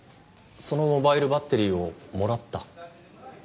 そのモバイルバッテリーをもらった？